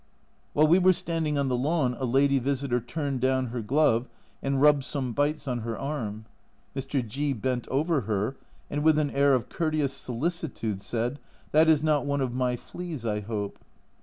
While we were standing on the lawn a lady visitor turned down her glove and rubbed some bites on her arm. Mr. G bent over her, and with an air of courteous solicitude, said, "That is not one of my fleas, I hope."